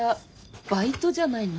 バイトじゃないの。